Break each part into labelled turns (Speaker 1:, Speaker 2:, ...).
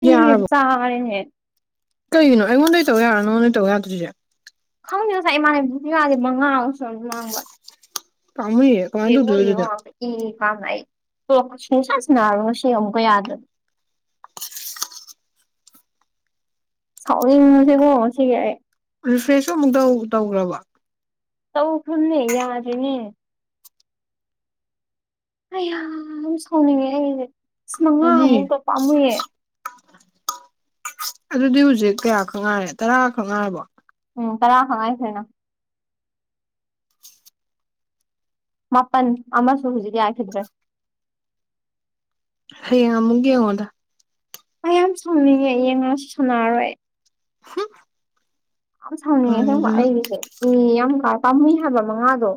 Speaker 1: ꯊꯤꯔꯤꯝ
Speaker 2: ꯌꯥꯔꯕꯣ
Speaker 1: ꯆꯥꯔꯦꯅꯦ
Speaker 2: ꯀꯩꯒꯤꯅꯣ ꯑꯩꯉꯣꯟꯗꯩ ꯇꯧ ꯌꯥꯔꯥ ꯅꯪꯉꯣꯟꯗꯩ ꯇꯧ ꯌꯥꯗ꯭ꯔꯤꯖꯦ
Speaker 1: ꯈꯪꯗꯦ ꯉꯁꯥꯏ ꯏꯃꯥꯟꯅꯕꯤꯗꯨꯖꯨ ꯌꯥꯗꯦ ꯃꯉꯥ ꯃꯨꯛ ꯁꯨꯔꯝꯃꯅꯤ ꯃꯥꯡꯕ
Speaker 2: ꯄꯥꯝꯃꯨꯏꯌꯦ ꯀꯃꯥꯏꯅ
Speaker 1: ꯖꯦꯔꯣ
Speaker 2: ꯇꯧꯗꯣꯏꯕ
Speaker 1: ꯖꯦꯔꯣ
Speaker 2: ꯑꯗꯨꯗꯤ
Speaker 1: ꯉꯥꯛꯇ ꯏ ꯀꯥꯕꯅ ꯑꯩ ꯇꯣꯂꯣꯞꯀ ꯁꯨꯡꯁꯥꯟ ꯁꯥꯟꯅꯔꯣꯏ ꯉꯁꯤ ꯑꯃꯨꯛꯀ ꯌꯥꯗ꯭ꯔꯗꯤ ꯁꯥꯎꯅꯤꯡꯖꯁꯦꯀꯣ ꯉꯁꯤꯒꯤ ꯑꯩ
Speaker 2: ꯔꯤꯐ꯭ꯔꯦꯁꯁꯨ ꯑꯃꯨꯛ‌ ꯇꯧ ꯇꯧꯒ꯭ꯔꯕꯣ
Speaker 1: ꯇꯧꯈ꯭ꯔꯝꯅꯦ ꯌꯥꯗ꯭ꯔꯤꯅꯦ ꯑꯩꯌꯥꯝ ꯁꯥꯎꯅꯤꯡꯉꯦ ꯑꯩ ꯏꯁ ꯃꯉꯥ
Speaker 2: ꯄꯥꯝꯃꯨꯏꯌꯦ
Speaker 1: ꯑꯃꯨꯛꯇꯣ ꯄꯥꯝꯃꯨꯏꯌꯦ
Speaker 2: ꯑꯗꯨꯗꯤ ꯍꯧꯖꯤꯛ ꯀꯌꯥ ꯈꯛ ꯉꯥꯏꯔꯦ ꯇꯔꯥ ꯈꯛ ꯉꯥꯏꯔꯕꯣ
Speaker 1: ꯎꯝ ꯇꯔꯥ ꯈꯛꯉꯥꯏꯈ꯭ꯔꯦꯅ ꯃꯥꯄꯟ ꯑꯃꯁꯨ ꯍꯧꯖꯤꯛ ꯌꯥꯈꯤꯗ꯭ꯔꯦ
Speaker 2: ꯍꯌꯦꯡ ꯑꯃꯨꯛ ꯌꯦꯡꯉꯣꯗ
Speaker 1: ꯑꯩ ꯌꯥꯝ ꯁꯥꯎꯅꯤꯡꯉꯦ ꯌꯦꯡꯉꯁꯨ ꯁꯥꯟꯅꯔꯣꯏ ꯑꯩ
Speaker 2: ꯍꯨꯝ
Speaker 1: ꯌꯥꯝ ꯁꯥꯎꯅꯤꯡꯉꯦ ꯑꯁꯦꯡꯕ
Speaker 2: ꯐꯔꯦꯗꯅ
Speaker 1: ꯑꯩꯒꯤꯁꯦ ꯏ ꯌꯥꯝ ꯀꯥꯏ ꯄꯥꯝꯃꯨꯏ ꯍꯥꯏꯕ ꯃꯉꯥꯗꯣ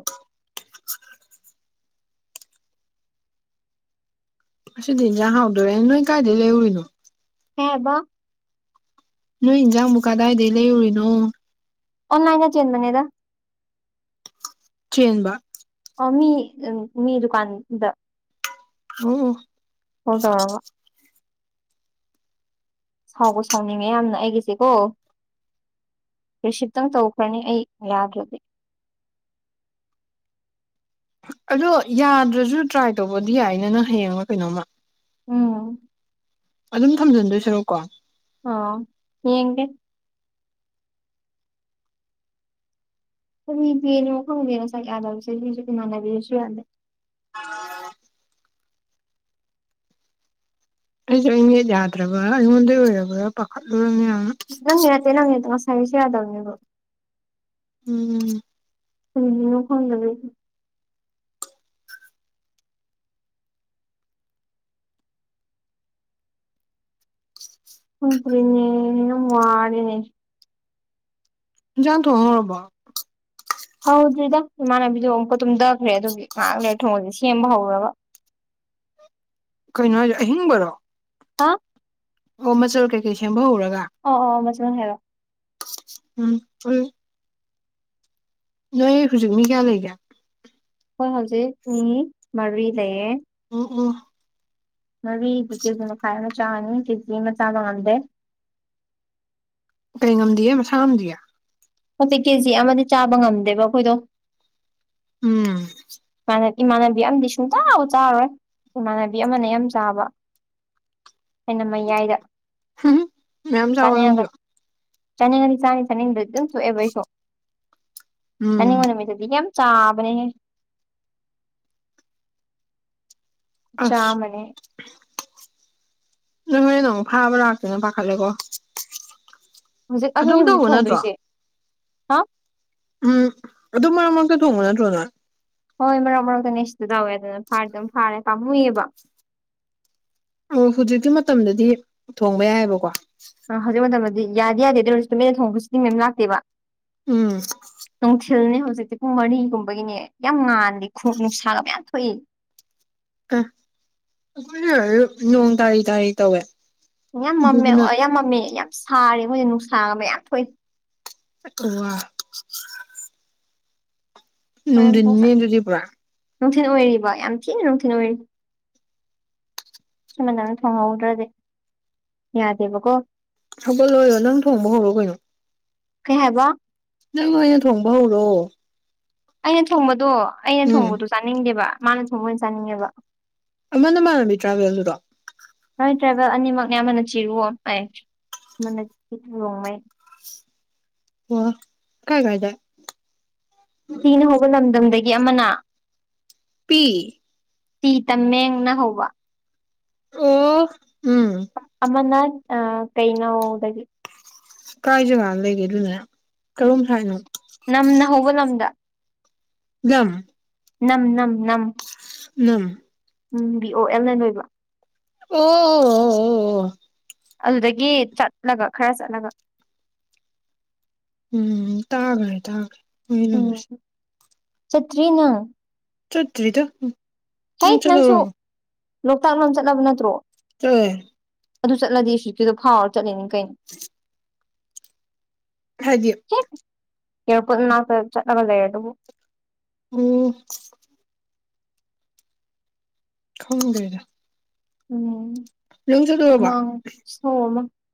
Speaker 2: ꯉꯁꯤꯗꯤ ꯏꯟꯖꯥꯡ ꯍꯥꯎꯗꯣꯔꯦ ꯅꯣꯏ ꯀꯥꯏꯗꯩ ꯂꯩꯔꯨꯔꯤꯅꯣ
Speaker 1: ꯀꯩ ꯍꯥꯏꯕ
Speaker 2: ꯅꯣꯏ ꯏꯟꯖꯥꯡꯕꯨ ꯀꯗꯥꯏꯗꯩ ꯂꯩꯔꯨꯔꯤꯅꯣ
Speaker 1: ꯑꯣꯟꯂꯥꯏꯟꯗ ꯆꯦꯟꯕꯅꯦꯗ
Speaker 2: ꯆꯦꯟꯕ
Speaker 1: ꯑ ꯃꯤ ꯑꯝ ꯃꯤ ꯗꯨꯀꯥꯟꯗ
Speaker 2: ꯑꯣ ꯑꯣ
Speaker 1: ꯀꯣꯜ ꯇꯧꯔꯕꯣ ꯁꯥꯎꯕꯨ ꯁꯥꯎꯅꯤꯡꯉꯦ ꯌꯥꯝꯅ ꯑꯩꯒꯤꯁꯦꯀꯣ ꯔꯤꯁꯤꯞꯇꯪ ꯇꯧꯈ꯭ꯔꯅꯤ ꯑꯩ ꯌꯥꯗ꯭ꯔꯗꯤ
Speaker 2: ꯑꯗꯣ ꯌꯥꯗ꯭ꯔꯖꯨ ꯇ꯭ꯔꯥꯏ ꯇꯧꯕꯗꯤ ꯌꯥꯏꯅ ꯅꯪ ꯍꯌꯦꯡꯂ ꯀꯩꯅꯣꯝꯃ
Speaker 1: ꯎꯝ
Speaker 2: ꯑꯗꯨꯝ ꯊꯝꯖꯤꯟꯗꯣꯏꯁꯤꯔꯣ ꯀꯣ
Speaker 1: ꯑꯣ ꯌꯦꯡꯒꯦ [unintelligible] ꯈꯪꯗ‌ꯦꯉꯁꯥꯏ ꯀꯌꯥꯅꫭꯍꯥꯏꯕꯁꯦ [unintelligible]
Speaker 2: ꯑꯩꯁꯦ ꯅꯦꯠ ꯌꯥꯗ꯭ꯔꯕ ꯑꯩꯉꯣꯟꯗꯩ ꯑꯣꯏꯔꯕ꯭ꯔ ꯄꯥꯈꯠꯂꯨꯔꯝꯅꯦꯌꯥꯝ
Speaker 1: ꯅꯪꯅꯥ ꯅꯠꯇꯦ ꯅꯪꯅꯥ ꯅꯠꯇꯕ ꯉꯁꯥꯏꯒꯦꯁꯨ ꯌꯥꯗꯧꯅꯦꯕ
Speaker 2: ꯎꯝ
Speaker 1: [unintelligible] ꯈꯪꯗꯔꯦꯅꯦ ꯌꯥꯝ ꯋꯥꯔꯦꯅꯦ
Speaker 2: ꯏꯟꯖꯥꯡ ꯊꯣꯡ ꯍꯧꯔꯕꯣ
Speaker 1: ꯍꯧꯗ꯭ꯔꯤꯗ ꯏꯃꯥꯟꯅꯕꯤꯗꯣ ꯑꯃꯨꯛꯀ ꯇꯨꯝꯗꯈ꯭ꯔꯦ ꯑꯗꯨꯒꯤ ꯉꯥꯏꯍꯥꯛ ꯂꯩꯔ ꯊꯣꯡꯉꯒꯦ ꯁꯦꯝꯕ ꯍꯧꯔꯨꯔꯒ
Speaker 2: ꯀꯩꯅꯣ ꯍꯥꯏꯖꯦ ꯑꯍꯤꯡꯕꯔꯣ
Speaker 1: ꯍꯥ
Speaker 2: ꯑꯣ ꯃꯆꯜ ꯀꯩꯀꯩ ꯁꯦꯝꯕ ꯍꯧꯔꯒ
Speaker 1: ꯑꯣ ꯑꯣ ꯑꯣ ꯃꯆꯜ ꯍꯥꯏꯔꯣ
Speaker 2: ꯎꯝ ꯎꯏ ꯅꯣꯏ ꯍꯧꯖꯤꯛ ꯃꯤ ꯀꯌꯥ ꯂꯩꯒꯦ
Speaker 1: ꯍꯣꯏ ꯍꯧꯖꯤꯛ ꯃꯤ ꯃꯔꯤ ꯂꯩꯔꯦ
Speaker 2: ꯎꯝ ꯎꯝ
Speaker 1: ꯉꯕꯤꯗꯤ ꯀꯦꯖꯤ ꯃꯈꯥꯏ ꯑꯃ ꯆꯅꯤ ꯀꯦꯖꯤ ꯃꯆꯥ ꯆꯥꯕ ꯃꯥꯟꯗꯦ
Speaker 2: ꯀꯩ ꯉꯝꯗꯤꯌ‌ꯦ ꯃꯁꯥ ꯉꯝꯗꯤꯌ‌ꯦ
Speaker 1: ꯍꯥꯏꯗꯤ ꯀꯦꯖꯤ ꯑꯃꯗꯤ ꯆꯥꯕ ꯉꯝꯗꯦꯕ ꯑꯩꯈꯣꯏꯗꯣ
Speaker 2: ꯎꯝ
Speaker 1: ꯏꯃꯥꯟꯅꯕꯤ ꯑꯃꯗꯤ ꯁꯨꯡꯆꯥ ꯆꯥꯔꯣꯏ ꯏꯃꯥꯟꯅꯕꯤ ꯑꯝꯅ ꯌꯥꯝ ꯆꯥꯕ ꯍꯦꯟꯅ ꯃꯌꯥꯏꯗ
Speaker 2: ꯃꯌꯥꯝ ꯆꯥꯎꯋꯣ
Speaker 1: ꯆꯥꯅꯤꯡꯒ
Speaker 2: ꯅꯪꯖꯨ
Speaker 1: ꯆꯥꯅꯤꯡꯉꯗꯤ ꯆꯥꯅꯤ ꯆꯥꯅꯤꯡꯗ꯭ꯔꯥꯒ ꯊꫭꯡꯑꯦꯕ‌ꯑꯩꯁꯨ
Speaker 2: ꯎꯝ
Speaker 1: ꯆꯅꯤꯡꯕ ꯅꯨꯃꯤꯠꯇꯗꯤ ꯌꯥꯝ ꯆꯥꯕꯅꯦꯍꯦ
Speaker 2: ꯑꯁ
Speaker 1: ꯆꯥꯃꯅꯤ
Speaker 2: ꯅꯣꯏ ꯍꯣꯔꯦꯟ ꯑꯃꯨꯛ ꯐꯥꯕ ꯂꯥꯛꯇꯦꯅ ꯄꯥꯈꯠꯂꯦꯀꯣ
Speaker 1: ꯍꯧꯖꯤꯛ
Speaker 2: ꯑꯗꯨꯝ
Speaker 1: ꯑꯗꯨꯅꯦ ꯍꯧꯖꯤꯛ
Speaker 2: ꯇꯧꯕ ꯅꯠꯇ꯭ꯔꯣ
Speaker 1: ꯊꯣꯡꯗꯣꯏꯁꯦ ꯍꯥ
Speaker 2: ꯎꯝ ꯑꯗꯨꯝ ꯃꯔꯛ ꯃꯔꯛꯇ ꯊꯣꯡꯕ ꯅꯠꯇ꯭ꯔꯣꯅ
Speaker 1: ꯍꯣꯏ ꯃꯔꯛ ꯃꯔꯛꯇꯅꯦ [unintelligible] ꯇꯧꯋꯦ ꯑꯗꯨꯅ ꯐꯥꯔꯗꯤ ꯑꯗꯨꯝ ꯐꯥꯔ ꯄꯥꯃꯨꯏꯌꯦꯕ
Speaker 2: ꯑꯣ ꯍꯧꯖꯤꯛꯀꯤ ꯃꯇꯝꯗꯗꯤ ꯊꯣꯡꯕ ꯌꯥꯏꯑꯕꯀꯣ
Speaker 1: ꯑ ꯍꯧꯖꯤꯛ ꯃꯇꯝꯗꯗꯤ ꯌꯥꯗꯦ ꯌꯥꯗꯦ ꯑꯗꯨꯑꫭꯔꯁꯨ ꯇꯨꯃꯤꯟꯅ ꯊꯣꯡꯕꯁꯨꯤꯡ ꯃꯌꯥꯝ ꯂꯥꯛꯇꯦꯕ
Speaker 2: ꯎꯝ
Speaker 1: ꯅꯨꯡꯊꯤꯜꯅꯦ ꯍꯧꯖꯤꯛꯇꯤ ꯄꯨꯡ ꯃꯔꯤꯒꯨꯝꯕꯒꯤꯅꯦ ꯌꯥꯝ ꯉꯥꯟꯜꯂꯤ ꯈꯣꯡ ꯅꯨꯡꯁꯥꯒ ꯃꯌꯥꯝ ꯊꯣꯛꯏ
Speaker 2: ꯑꯥ ꯑꯩꯈꯣꯏꯅ ꯅꯣꯡ ꯇꯥꯔꯤ ꯇꯥꯔꯤ ꯇꯧꯋꯦ
Speaker 1: ꯂꯣꯟ ꯃꯝꯃꯦ
Speaker 2: ꯑꯗꯨꯗꯨꯅ
Speaker 1: ꯌꯥꯝ ꯃꯝꯃꯦ ꯑꯣ ꯌꯥꯝ ꯁꯥꯔꯦ ꯑꯈꯣꯏ ꯅꯨꯡꯁꯥꯒꯥ ꯃꯌꯥꯝ ꯊꯣꯛꯏ
Speaker 2: [unintelligible] ꯅꯨꯡꯊꯤꯟꯅꯤꯅꯦ
Speaker 1: [unintelligible]
Speaker 2: ꯑꯗꯨꯗꯤ ꯄꯨꯔꯥ
Speaker 1: ꯅꯨꯡꯊꯤꯜ ꯑꯣꯏꯔꯤꯕ ꯌꯥꯝ ꯊꯤꯅ ꯅꯨꯡꯊꯤꯜ ꯑꯣꯏꯔꯤ [unintelligible] ꯊꯣꯡꯍꯧꯗ꯭ꯔꯗꯤ ꯌꯥꯗꯦꯕꯀꯣ
Speaker 2: ꯊꯒꯠꯂꯣ ꯅꯪ ꯊꯣꯡꯕ ꯍꯧꯔꯣ ꯀꯩꯅꯣ
Speaker 1: ꯀꯩ ꯍꯥꯏꯕ
Speaker 2: ꯅꯪ ꯑꯣꯏꯅꯥ ꯊꯣꯡꯕ ꯍꯧꯔꯛꯑꯣ
Speaker 1: ꯑꯩꯅ ꯊꯣꯡꯕꯗꯣ ꯑꯩꯅ
Speaker 2: ꯎꯝ
Speaker 1: ꯊꯣꯡꯕꯗꯣ ꯆꯥꯅꯤꯡꯗꯦꯕ ꯃꯥꯅ ꯊꯣꯡꯕ ꯑꯣꯏꯅ ꯆꯥꯅꯤꯡꯉꯦꯕ
Speaker 2: ꯑꯃꯥ ꯅꯃꯥꯟꯅꯕꯤ ꯇ꯭ꯔꯥꯚꯦꯜꯗꯨꯗꯣ
Speaker 1: ꯍꯣꯏ ꯇ꯭ꯔꯥꯏꯕꯦꯜ ꯑꯅꯤꯃꯛꯅꯦ ꯑꯃꯟꯅ ꯆꯤꯔꯨꯑꯣ ꯑꯃꯥꯡ ꯔꯣꯡꯃꯩ
Speaker 2: ꯑꯣ ꯀꯥꯏꯋꯥꯏꯗꯦ
Speaker 1: ꯏꯌꯨ ꯍꯧꯕ ꯂꯝꯗꯝꯗꯒꯤ ꯑꯃꯅ
Speaker 2: ꯄꯤ
Speaker 1: ꯇꯤ ꯇꯥꯝꯃꯦꯡꯅ ꯍꯧꯕ
Speaker 2: ꯑꯣ ꯎꯝ
Speaker 1: ꯑꯃꯃꯅ ꯑ ꯀꯩꯅꯩꯅ ꯍꯎꯗꯒꯤ
Speaker 2: ꯀꯥꯏ ꯖꯒꯥ ꯂꯩꯒꯦꯗꯨꯅꯦ ꯀꯔꯣꯝ ꯁ ꯍꯥꯏꯅꯣ
Speaker 1: ꯅꯝꯅ ꯍꯧꯕ ꯂꯝꯗ
Speaker 2: [unintelligible]
Speaker 1: ꯅꯪ ꯅꯪ ꯅꯪ
Speaker 2: [unintelligible]
Speaker 1: ꯎꯝ ꯕꯤ ꯑꯣ ꯑꯦꯜ ꯑꯦꯦꯟ ꯑꯣꯏꯕ
Speaker 2: [unintelligible]
Speaker 1: ꯑꯗꯨꯗꯒꯤ ꯆꯠꯂꯒ ꯈꯔ ꯆꯠꯂꯒ
Speaker 2: ꯎꯝ ꯇꯥꯒꯔꯦ ꯇꯥꯒꯔꯦ
Speaker 1: ꯎꯝ ꯆꯠꯇ꯭ꯔꯤꯅꯦ
Speaker 2: ꯆꯠꯇ꯭ꯔꯤꯗꯥ
Speaker 1: ꯍꯩ ꯅꯪꯁꯨ ꯂꯣꯛꯇꯥꯛ ꯂꯣꯝ ꯆꯠꯂꯕ ꯅꯠꯇ꯭ꯔꯣ
Speaker 2: ꯇꯦꯟ
Speaker 1: ꯑꯗꯨ ꯆꯠꯂꯗꯤ ꯍꯧꯖꯤꯀꯤꯗꯣ ꯐꯥꯎꯔ ꯆꯠꯂꯤꯅꯦ ꯀꯩꯟ
Speaker 2: [unintelligible]
Speaker 1: ꯏꯔꯄꯣꯠꯅꯥꯛꯇ ꯆꯠꯂꯒ ꯂꯩ ꯑꯗꯨꯕꯨ
Speaker 2: ꯎꯝ ꯈꯪꯗꯦꯗ ꯆꯠꯂꯨꯔꯕꯣ
Speaker 1: ꯎꯝ ꯁꯣ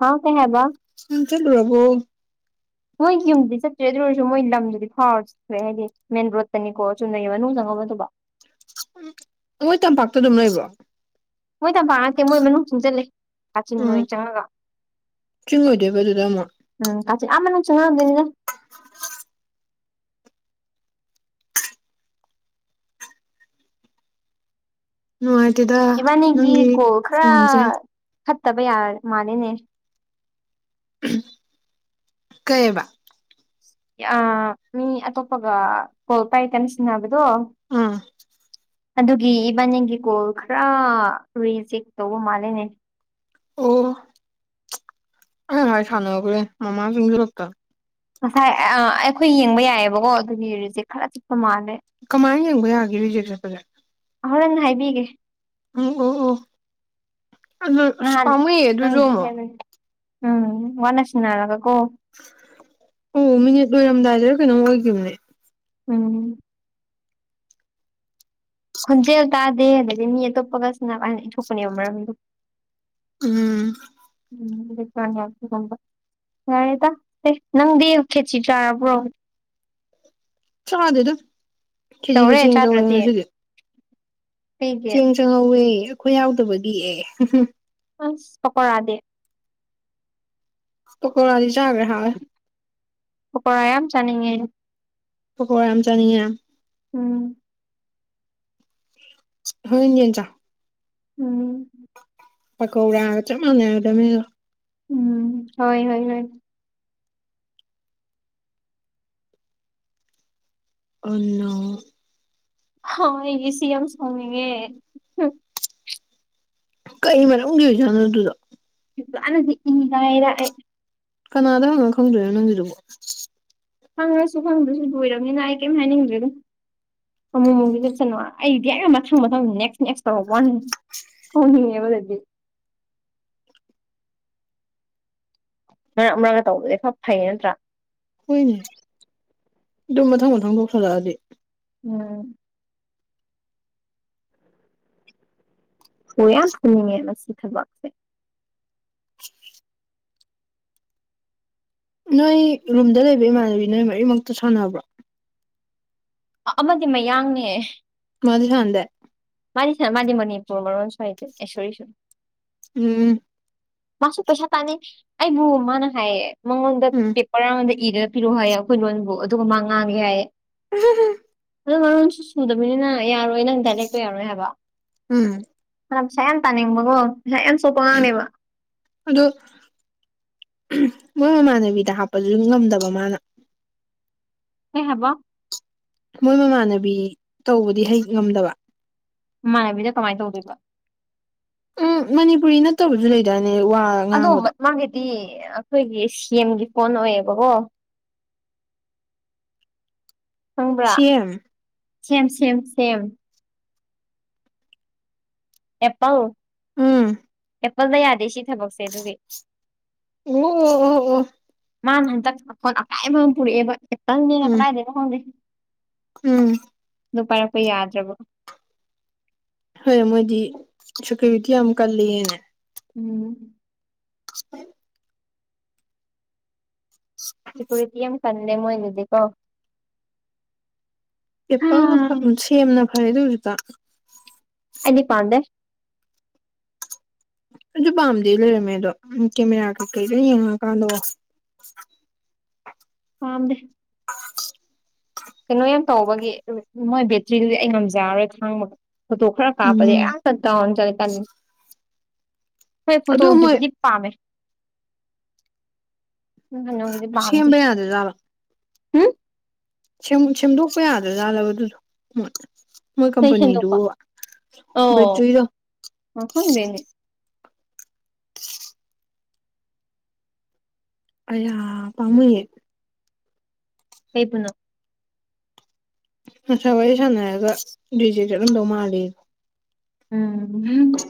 Speaker 1: ꯍꯥꯎ ꯀꯩ ꯍꯥꯏꯕ
Speaker 2: ꯎꯝ ꯆꯠꯂꯣ ꯕꯕꯨ
Speaker 1: ꯃꯣꯏꯒꯤ ꯌꯨꯝꯗꯨꯗꯤ ꯆꯠꯇ꯭ꯔꯦ ꯑꯗꯨ ꯑꯣꯏꯔꯁꯨ ꯃꯣꯏ ꯂꯝꯗꯨꯗꯤ ꯐꯥꯎꯔꯁꯤꯦ [unintelligible] ꯃꯦꯟ ꯔꯣꯗꯇꯅꯤꯀꯣ ꯆꯨꯝꯅꯩꯕ ꯅꯨꯡ ꯆꯪꯉꯕꯗꯨꯕ
Speaker 2: ꯃꯣꯏ ꯇꯝꯄꯥꯛꯇ ꯑꯗꯨꯝ ꯂꯩꯕ꯭ꯔꯣ
Speaker 1: ꯃꯣꯏ ꯇꯝꯄꯥꯛ ꯅꯠꯇꯦ ꯃꯣꯏ ꯃꯅꯨꯡ ꯆ ꯆꯠꯂꯦ ꯀꯥꯆꯤꯟ
Speaker 2: ꯎꯝ
Speaker 1: ꯃꯣꯏ ꯆꯪꯉꯒ
Speaker 2: ꯆꯤꯡ ꯑꯣꯏꯗꯣꯏꯕꯗꯨꯗ ꯑꯃꯨꯛ
Speaker 1: ꯎꯝ ꯀꯦ ꯑꯃꯃꯅ ꯆꯨꯅꯦꯅꯤ
Speaker 2: ꯅꯅꯨꯡꯥꯏꯇꯗ
Speaker 1: ꯏꯕꯥꯅꯤꯒꯤꯀꯣ ꯈꯔ ꯐꯠꯇꯕ ꯌꯥ ꯃꯥꯂꯦꯅꯦ
Speaker 2: ꯀꯩꯕ
Speaker 1: ꯑ ꯃꯤ ꯑꯇꯣꯞꯄꯒ ꯀꯣꯜ ꯄꯥꯏꯇꯅ ꯁꯤꯟꯅꯕꯗꯣ
Speaker 2: ꯑꯥ
Speaker 1: ꯑꯗꯨꯒꯤ ꯏꯕꯥꯅꯤꯡꯒꯤ ꯀꯣꯜ ꯈꯔ ꯔꯤꯁꯦꯛ ꯇꯧꯕ ꯃꯥꯜꯂꯦꯅꯦ
Speaker 2: ꯑꯣ ꯑꯪ ꯍꯥꯏ ꯁꯥꯟꯅꯈ꯭ꯔꯦ ꯃꯃꯥ ꯆꯪꯁꯤꯂꯛꯇ
Speaker 1: ꯉꯁꯥꯏ ꯑꯩꯈꯣꯏ ꯌꯦꯡꯕ ꯌꯥꯏꯑꯕꯀꯣ ꯑꯗꯨꯒꯤ ꯍꯧꯔꯤꯖꯤꯛ ꯈꯔ ꯆꯤꯛꯄ ꯃꯥꯜꯂꯦ
Speaker 2: ꯀꯃꯥꯏꯅ ꯌꯦꯡꯕ ꯌꯥꯒꯦ ꯔꯤꯖꯤꯦꯁꯠꯄꯖꯦ
Speaker 1: ꯍꯣꯔꯪ ꯍꯥꯏꯕꯤꯒꯦ
Speaker 2: ꯎ ꯑꯣ ꯑꯣ ꯑꯗꯨ ꯑꯁ
Speaker 1: ꯅꯍꯥꯟ
Speaker 2: ꯄꯥꯝꯃꯑ ꯑꯗꯨꯁꯨ
Speaker 1: ꯅꯪꯗꯤ
Speaker 2: ꯑꯃꯨꯛ
Speaker 1: ꯍꯥꯏꯕꯅꯤ ꯎꯝ ꯋꯥꯟꯁꯅꯅꯥꯒ ꯀꯣ
Speaker 2: ꯑꯣ ꯃꯤꯅꯤꯠ ꯂꯣꯏꯔꯝꯗꯥꯏꯁꯤꯗ ꯀꯩꯅꯣꯝ ꯑꯣꯏꯈꯤꯕꯅꯦ
Speaker 1: ꯎꯝ ꯈꯣꯟꯖꯦꯜ ꯇꯥꯗꯦ ꯑꯗꯒꯤ ꯃꯤ ꯑꯇꯣꯞꯄꯒ ꯁꯤꯅ ꯏ ꯊꯣꯛꯣꯛꯄꯅꯦꯕ ꯃꯔꯝꯗ
Speaker 2: ꯎꯝ
Speaker 1: [unintelligible] ꯌꯥꯔꯦꯗ ꯅꯪꯗꯤ ꯈꯦꯆꯤ ꯆꯥꯔꯕ꯭ꯔꯣ
Speaker 2: ꯆꯥꯗꯤ ꯑꯗꯨꯝ ꯀꯦꯖꯤꯒ
Speaker 1: ꯇꯧꯔꯦ
Speaker 2: ꯆꯦꯡꯒ ꯆꯧꯔꯅꯤ
Speaker 1: ꯆꯥꯗ꯭ꯔꯗꯤ
Speaker 2: ꯉꯁꯤꯗꯤ
Speaker 1: ꯀꯩꯒꯤ
Speaker 2: ꯆꯦꯡ ꯆꯪꯍꯧꯋꯦ ꯑꯩꯈꯣꯏ ꯌꯥꯎꯗꯕꯒꯤ ꯑꯦ
Speaker 1: ꯑ ꯄꯀꯥꯗꯦ
Speaker 2: ꯄꯀꯣꯔꯥꯗꯤ ꯆꯥꯒ꯭ꯔꯦ ꯍꯥꯎꯋꯦ
Speaker 1: ꯄꯀꯣꯔꯥ ꯌꯥꯝ ꯆꯅꯤꯡꯉꯦ ꯑꯩꯗꯤ
Speaker 2: ꯄꯀꯣꯔꯥ ꯌꯥꯝ ꯆꯥꯅꯤꯡꯉꯦ
Speaker 1: ꯎꯝ
Speaker 2: ꯍꯣꯔꯦꯟ ꯌꯦꯟ ꯆꯥꯎ
Speaker 1: ꯎꯝ
Speaker 2: ꯄꯀꯧꯔꯥꯒ ꯆꯞ ꯃꯥꯟꯅꯔꯗꯕꯅꯦ ꯑꯗꯣ
Speaker 1: ꯎꯝ ꯍꯣꯏ ꯍꯣꯏ ꯍꯣꯏ
Speaker 2: ꯑ ꯅꯣ
Speaker 1: ꯍ ꯑꯩꯒꯤ ꯁꯤ ꯑꯦꯝ ꯁ꯭ꯃꯤꯒꯦ
Speaker 2: ꯀꯩ ꯃꯔꯝꯒꯤ ꯑꯣꯏꯖꯥꯠꯅꯣ ꯑꯗꯨꯗꯣ
Speaker 1: ꯅꯗꯤ ꯏꯉꯥꯏꯔꯥꯛꯑꯦ
Speaker 2: ꯀꯅꯥꯗꯪꯉꯒ ꯈꯪꯗꯣꯏꯅꯣ ꯅꯪꯒꯤꯗꯨꯕꯣ
Speaker 1: ꯐꯪꯉꯁꯨ ꯐꯪꯗ꯭ꯔꯁꯨ ꯂꯣꯏꯔꯕꯅꯤꯅ ꯑꯩ ꯀꯩꯝ ꯍꯥꯏꯅꯤꯡꯗ꯭ꯔꯦꯗ ꯑꯃꯨꯛ ꯑꯃꯨꯛꯇꯤ ꯂꯦꯞꯁꯅꯨ ꯑꯩꯗꯤ ꯍꯦꯛ ꯃꯊꯪ ꯃꯊꯪ ꯅꯦꯛꯁ ꯅꯦꯛꯁ ꯇ ꯋꯥꯟ [unintelligible] ꯃꯔꯛ ꯃꯔꯛꯇ ꯇꯧꯕꯗꯤ ꯈꯔ ꯐꯩ ꯅꯠꯇ꯭ꯔꯥ
Speaker 2: ꯍꯣꯏꯅꯦ ꯑꯗꯣ ꯃꯊꯪ ꯃꯊꯪ ꯇꯧꯁꯤꯜꯂꯛꯑꯗꯤ
Speaker 1: ꯎꯝ ꯍꯣꯏ ꯌꯥꯝ ꯊꯨꯅꯤꯡꯉꯦ ꯃꯁꯤ ꯊꯕꯛꯁꯦ
Speaker 2: ꯅꯣꯏ ꯔꯨꯝꯗ ꯂꯩꯕ ꯏꯃꯥꯟꯅꯕꯤ ꯅꯣꯏ ꯃꯔꯤꯃꯛꯇꯣ ꯁꯥꯟꯅꯕ꯭ꯔꯣ
Speaker 1: ꯑ ꯑꯃꯗꯤ ꯃꯌꯥꯡꯅꯦ
Speaker 2: ꯃꯗꯤ ꯁꯥꯅꯗꯦ
Speaker 1: ꯃꯥꯗꯤ ꯁꯅ ꯃꯥꯗꯤ ꯃꯅꯤꯄꯨꯔ ꯃꯔꯣꯟꯁꯨ ꯍꯩꯇꯦ ꯑꯥꯏ ꯁꯣꯔꯤ ꯁꯨ
Speaker 2: ꯎꯝ
Speaker 1: ꯃꯥꯁꯨ ꯄꯩꯁꯥ ꯇꯥꯅꯩ ꯑꯩꯕꯨ ꯃꯥꯅ ꯍꯥꯏꯌꯦ ꯃꯉꯣꯟꯗ‌
Speaker 2: ꯎꯝ
Speaker 1: ꯄꯤꯞ ꯀꯔꯥꯡꯗ ꯏꯔꯒ ꯄꯤꯔꯛꯑꯣ ꯍꯥꯏꯌꯦ ꯑꯩꯈꯣꯏ ꯂꯣꯟꯕꯨ ꯑꯗꯨꯒ ꯃꯥ ꯉꯥꯡꯒꯦ ꯍꯥꯏꯌꯦ
Speaker 2: ꯎꯝ ꯍꯨꯝ [unintelligible]
Speaker 1: ꯑꯗꯣ ꯃꯔꯣꯟꯁꯨ ꯁꯨꯗꯕꯅꯤꯅ ꯌꯥꯔꯣꯏ ꯅꯪ ꯗꯥꯏꯂꯦꯛꯇꯣ ꯌꯥꯔꯣꯏ ꯍꯥꯏꯕ
Speaker 2: ꯎꯝ
Speaker 1: ꯃꯥꯅ ꯄꯩꯁꯥ ꯌꯥꯝ ꯇꯥꯅꯤꯡꯕꯀꯣ ꯄꯩꯁꯥ ꯌꯥꯝ ꯆꯣꯞꯄ ꯑꯉꯥꯡꯅꯦꯕ
Speaker 2: ꯑꯗꯣ ꯃꯣꯏ ꯃꯃꯥꯟꯅꯕꯤꯗ ꯍꯥꯞꯄꯁꯨ ꯉꯝꯗꯕ ꯃꯥꯅ
Speaker 1: ꯀꯩ ꯍꯥꯏꯕ
Speaker 2: ꯃꯣꯏ ꯃꯃꯥꯟꯅꯕꯤ ꯇꯧꯕꯗꯤ ꯍꯩ ꯉꯝꯗꯕ
Speaker 1: ꯃꯃꯥꯟꯅꯕꯤꯗ ꯀꯃꯥꯏꯅ ꯇꯧꯗꯣꯏꯕ
Speaker 2: ꯎꯝ ꯃꯅꯤꯄꯨꯔꯤ ꯅꯠꯇꯕꯁꯨ ꯂꯩꯗꯥꯏꯅꯦ ꯋꯥ
Speaker 1: ꯑꯗꯣ
Speaker 2: ꯉꯥꯡꯕꯗꯣ
Speaker 1: ꯃꯠ ꯃꯥꯒꯤꯗꯤ ꯑꯩꯈꯣꯏꯒꯤ ꯁꯦꯝꯒꯤ ꯐꯣꯟ ꯑꯣꯏꯌꯦꯕꯀꯣ ꯈꯪꯕ꯭ꯔꯥ
Speaker 2: ꯁꯤ ꯑꯦꯝ
Speaker 1: ꯁꯦꯝ ꯁꯦꯝ ꯁꯦꯝ ꯑꯦꯄꯜ
Speaker 2: ꯎꯝ
Speaker 1: ꯑꯦꯄꯜꯗ ꯌꯥꯗꯦ ꯁꯤ ꯊꯕꯛꯁꯦ ꯑꯗꯨꯒꯤ
Speaker 2: ꯑꯣ ꯑꯣ ꯑꯣ ꯑꯣ
Speaker 1: ꯃꯥꯅ ꯍꯟꯗꯛ ꯐꯣꯟ ꯑꯀꯥꯏꯕ ꯑꯃ ꯄꯨꯔꯛꯑꯦꯕ ꯑꯦꯄꯜꯅꯦꯅ
Speaker 2: ꯎꯝ
Speaker 1: ꯀꯔꯥꯏꯗꯩꯅꯣ ꯈꯪꯗꯦ
Speaker 2: ꯎꯝ
Speaker 1: ꯑꯗꯨ ꯄꯥꯏꯔꯛꯄ ꯌꯥꯗ꯭ꯔꯕ
Speaker 2: ꯍꯣꯏ ꯃꯣꯏꯗꯤ ꯁꯨꯀꯤꯔꯤꯇꯤ ꯌꯥꯝ ꯀꯜꯂꯦꯅꯦ
Speaker 1: ꯎꯝ
Speaker 2: [unintelligible]
Speaker 1: ꯁꯦꯀꯨꯔꯤꯇꯤ ꯌꯥꯝ ꯀꯜꯂꯦ ꯃꯣꯏꯗꯨꯗꯤꯀꯣ ꯍꯥ
Speaker 2: ꯑꯦꯄꯜꯅ ꯐꯠ ꯁꯦꯝꯅ ꯐꯔꯦꯗ ꯍꯧꯖꯤꯛꯀꯥꯟ
Speaker 1: ꯑꯩꯗꯤ ꯄꯥꯝꯗꯦ
Speaker 2: ꯑꯩꯖꯨ ꯄꯥꯝꯗꯦ ꯂꯩꯔꯝꯃꯦ ꯑꯗꯣ ꯀꯦꯃꯦꯔꯥ ꯀꯩꯀꯩ ꯂꯣꯢ ꯌꯦꯡꯉꯨꯔꯀꯥꯟꯗꯀꯣ
Speaker 1: ꯄꯥꯝꯗꯦ ꯀꯩꯅꯣ ꯌꯥꯝ ꯇꯧꯕꯒꯤ ꯃꯣꯏ ꯕꯦꯇ꯭ꯔꯤꯗꯨꯗꯤ ꯑꯩ ꯉꯝꯖꯔꯔꯣꯏ ꯈꯥꯡꯕꯒꯥꯡ ꯐꯣꯇꯣ ꯈꯔ ꯀꯥꯞꯄꯗꯤ
Speaker 2: ꯎꯝ
Speaker 1: ꯑꯥ ꯗꯥꯎꯟ ꯆꯠꯂꯤꯀꯥꯟꯗꯅꯤ ꯐꯥꯔꯦ
Speaker 2: ꯑꯗꯨ ꯃꯣꯏ
Speaker 1: ꯐꯣꯇꯣꯒꯤꯕꯨꯗꯤ ꯄꯥꯃꯦ ꯑꯗꯨ ꯀꯩꯅꯣꯒꯤꯗꯤ ꯄꯥꯝꯗꯦ
Speaker 2: ꯁꯦꯝꯕ ꯌꯥꯗꯖꯥꯠꯂꯣ
Speaker 1: ꯍꯨꯝ
Speaker 2: ꯁꯦꯝ ꯁꯦꯝꯗꯣꯛꯄ ꯌꯥꯗꯖꯥꯠꯂꯕ ꯑꯗꯨꯗꯨ ꯃꯣꯢ ꯃꯣꯏ
Speaker 1: ꯆꯩ ꯁꯦꯡꯗꯣꯛꯄ
Speaker 2: ꯀꯝꯄꯅꯤꯗꯨꯕꯣ ꯕꯦꯇ꯭ꯔꯤꯗꯣ
Speaker 1: ꯃꯐꯝ [unintelligible]
Speaker 2: ꯑꯌꯥ ꯄꯥꯝꯃꯨꯏꯌꯦ
Speaker 1: ꯀꯩꯕꯨꯅꯣ
Speaker 2: ꯉꯁꯥꯏ ꯋꯥꯔꯤ ꯁꯥꯟꯅꯔꯒ ꯔꯤꯖꯦꯛꯇ ꯆꯠꯂꯝꯗꯧ ꯃꯥꯜꯂꯦꯌꯦ
Speaker 1: ꯎꯝ ꯍꯝ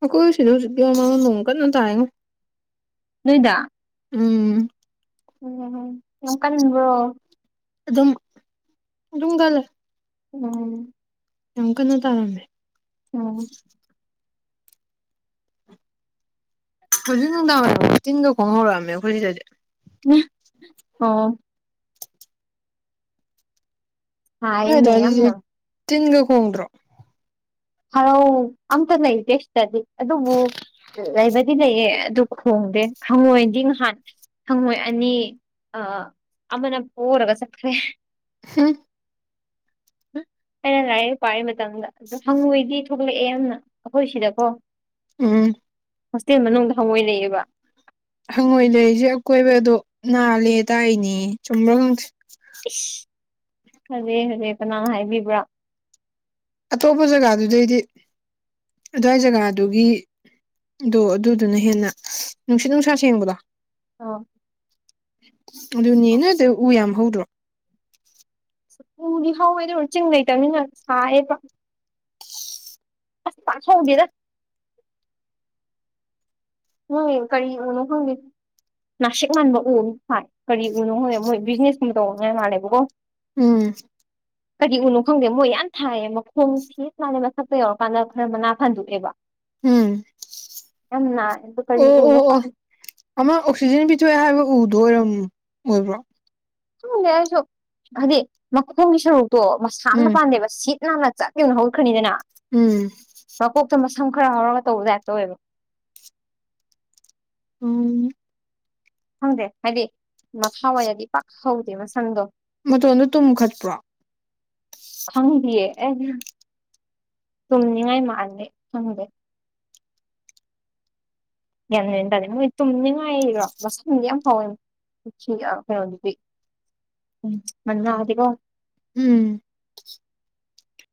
Speaker 2: ꯑꯩꯈꯣꯏ ꯁꯤꯗ ꯍꯧꯖꯤꯛꯀꯤꯃ ꯅꯣꯡ ꯀꯟꯅ ꯇꯥꯏꯉꯣ
Speaker 1: ꯅꯣꯏꯗ
Speaker 2: ꯎꯝ
Speaker 1: ꯎꯝꯝ ꯌꯥꯝ ꯀꯟꯕ꯭ꯔꯣ
Speaker 2: ꯑꯗꯨꯝ ꯑꯗꯨꯝ ꯀꯪꯂꯦ
Speaker 1: ꯎꯝ
Speaker 2: ꯌꯥꯝ ꯀꯟꯅ ꯇꯥꯔꯝꯃꯦ
Speaker 1: ꯎꯝ
Speaker 2: ꯍꯧꯖꯤꯛ ꯅꯨꯡꯗꯥꯡꯋꯥꯏꯔꯝ ꯇꯤꯟꯒꯥꯡ ꯈꯣꯡ ꯍꯧꯔꯛꯑꯝꯃꯦ ꯑꯩꯈꯣꯏ ꯁꯤꯗꯗꯤ
Speaker 1: [unintelligible] ꯑꯣ
Speaker 2: ꯅꯣꯢ
Speaker 1: ꯍꯥꯏꯅꯦ ꯌꯥꯝꯅ
Speaker 2: ꯑꯗꯨꯋꯥꯢꯗꯗꯤ ꯇꯤꯟꯒꯥꯡ ꯈꯣꯡꯗ꯭ꯔꯣ
Speaker 1: ꯍꯥꯔꯧ ꯑꯝꯇ ꯂꯩꯇꯦ ꯁꯤꯗꯗꯤ ꯑꯗꯨꯕꯨ ꯂꯩꯕꯗꯤ ꯂꯩꯌꯦ ꯑꯗꯨ ꯈꯣꯡꯗꯦ ꯍꯪꯉꯣꯏꯗꯤ ꯅꯍꯥꯟ ꯍꯪꯉꯣꯏ ꯑꯅꯤ ꯑ ꯑꯃꯅ ꯄꯣꯔꯒ ꯆꯠꯈ꯭ꯔꯦ
Speaker 2: ꯍꯝ
Speaker 1: ꯑꯩꯅ ꯂꯥꯢꯔꯤꯛ ꯄꯥꯔꯤ ꯃꯇꯝꯗ ꯑꯗꯨ ꯃꯤ ꯊꯣꯛꯂꯛꯑꯦ ꯌꯥꯝꯅ ꯑꯩꯈꯣꯏ ꯁꯤꯗꯀꯣ
Speaker 2: ꯎꯝ
Speaker 1: ꯍꯣꯁꯇꯦꯜ ꯃꯅꯨꯡꯗ ꯍꯪꯉꯣꯏ ꯂꯩꯌꯦꯕ
Speaker 2: ꯍꯪꯉꯣꯏ ꯂꯩꯔꯤꯁꯦ ꯑꯀꯣꯏꯕꯗꯣ ꯅꯥꯜꯂꯦ ꯇꯥꯛꯏꯅꯦꯌꯦ ꯆꯨꯝꯕ꯭ꯔꯥ ꯈꯪꯗꯦ
Speaker 1: ꯢꯁ ꯍꯥꯔꯦ ꯍꯥꯔꯦ ꯀꯅꯥꯅ ꯍꯥꯏꯕꯤꯕ꯭ꯔꯥ
Speaker 2: ꯑꯇꯣꯞꯄ ꯖꯒꯥꯗꯨꯗꯩꯗꯤ ꯑꯗꯨꯋꯥꯏ ꯖꯒꯥꯗꯨꯒꯤ ꯑꯗꯣ ꯑꯗꯨꯗꯨꯅ ꯍꯦꯟꯅ ꯅꯨꯡꯁꯤꯠ ꯅꯨꯡꯁꯥ ꯁꯦꯡꯕꯗꯣ
Speaker 1: ꯑꯣ
Speaker 2: ꯑꯗꯨꯅꯦ ꯅꯣꯢ ꯑꯗꯨ ꯎ ꯌꯥꯝ ꯍꯧꯗ꯭ꯔꯣ
Speaker 1: ꯎꯗꯤ ꯍꯧꯋꯦꯗꯨ ꯆꯤꯡ ꯂꯩꯇꯝꯅꯤꯅ ꯁꯥꯏꯌꯦꯕ ꯑꯁ ꯄꯥꯛ ꯍꯧꯗꯦꯗ ꯃꯣꯢ ꯀꯔꯤ ꯎ ꯅꯣ ꯈꯪꯗꯦ ꯅꯥꯁꯤꯛ ꯃꯥꯟꯕ ꯎ ꯑꯃ ꯊꯥꯏ ꯀꯔꯤ ꯎꯅꯣ ꯈꯪꯗꯦ ꯃꯣꯏ ꯕꯤꯖꯤꯅꯦꯁꯀꯨꯝꯕ ꯇꯧꯅꯉꯥꯏ ꯃꯥꯜꯂꯦꯕꯀꯣ
Speaker 2: ꯎꯝ
Speaker 1: ꯀꯔꯤ ꯎꯅꯣ ꯈꯪꯗꯦ ꯃꯣꯏ ꯌꯥꯝ ꯊꯥꯏꯌꯦ ꯃꯈꯣꯡ ꯁꯤꯠ ꯅꯥꯜꯂꯦ ꯃꯊꯛꯇ ꯌꯧꯔꯀꯥꯟꯗ ꯈꯔ ꯃꯅꯥ ꯐꯟꯗꯣꯛꯑꯦꯕ
Speaker 2: ꯎꯝ
Speaker 1: ꯅꯪ ꯍꯥꯢ
Speaker 2: ꯑꯣ
Speaker 1: ꯀꯔꯤ ꯎ ꯅꯣ
Speaker 2: ꯑꯣ ꯑꯣ
Speaker 1: ꯈꯪꯗꯦ
Speaker 2: ꯑꯃ ꯑꯣꯛꯁꯤꯖꯦꯟ ꯄꯤꯊꯣꯛꯑꯦ ꯍꯥꯏꯕ ꯎꯗꯨ ꯑꯣꯏꯔꯝ ꯑꯣꯏꯕ꯭ꯔꯣ
Speaker 1: ꯇꯨꯅꯤ ꯑꯩꯁꯨ ꯍꯥꯏꯗꯤ ꯃꯈꯣꯡꯒꯤ ꯁꯔꯨꯛꯇꯣ ꯃꯁꯥ ꯑꯝꯇ
Speaker 2: ꯎꯝ
Speaker 1: ꯄꯥꯟꯗꯦꯕ ꯁꯤꯠ ꯅꯥꯟꯅ ꯆꯠ ꯆꯞ ꯌꯨꯡꯅ ꯍꯧꯒꯠꯈ꯭ꯔꯅꯤꯗꯅ
Speaker 2: ꯎꯝ
Speaker 1: ꯃꯀꯣꯛꯇ ꯃꯁꯝ ꯈꯔ ꯍꯧꯔꯒ ꯇꯧꯕ ꯗꯥꯏ ꯇꯧꯋꯦꯕ
Speaker 2: ꯎꯝ
Speaker 1: ꯈꯪꯗꯦ ꯍꯥꯏꯗꯤ ꯃꯈꯥꯋꯥꯏꯗꯗꯤ ꯄꯥꯛ ꯍꯧꯗꯦꯕ ꯃꯁꯝꯗꯣ
Speaker 2: ꯃꯇꯣꯟꯗꯣ ꯇꯨꯝꯈꯠꯄ꯭ꯔꯣ
Speaker 1: ꯈꯪꯗꯤꯌꯦ ꯇꯨꯝꯅꯤꯡꯉꯥꯏ ꯃꯥꯥꯟꯂꯦ ꯈꯪꯗꯦ ꯒ꯭ꯌꯥꯟ ꯃꯦꯟ ꯇꯥꯗꯦ ꯇꯨꯝꯅꯤꯡꯉꯥꯏꯔꯣ ꯃꯁꯝ ꯌꯥꯝ ꯍꯧꯑꯦꯕ ꯤ ꯀꯩꯅꯣ ꯑꯗꯨ ꯎꯝ ꯃ ꯂꯥꯛꯗꯀꯣ [inaudible]
Speaker 2: ꯎꯝ